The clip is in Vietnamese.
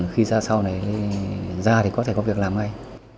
khi ra sau này ra thì có thể có việc làm ngay